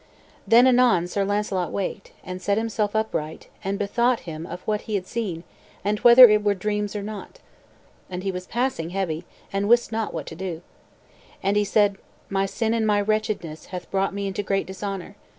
Then anon Sir Launcelot waked, and set himself upright, and bethought him of what he had seen and whether it were dreams or not. And he was passing heavy, and wist not what to do. And he said: "My sin and my wretchedness hath brought me into great dishonor.